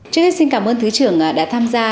trước hết xin cảm ơn thứ trưởng đã tham gia